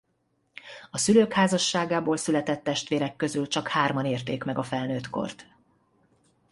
A szülők házasságából született testvérek közül csak hárman érték meg a felnőttkort.